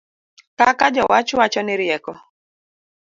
Kaka jowach wacho ni rieko